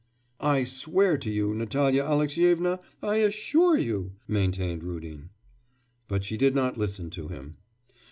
'I swear to you, Natalya Alexyevna I assure you,' maintained Rudin. But she did not listen to him.